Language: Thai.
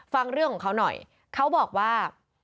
ฟังเรื่องของเขาหน่อยเขาบอกว่า